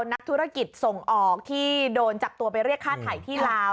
นักธุรกิจส่งออกที่โดนจับตัวไปเรียกค่าถ่ายที่ลาว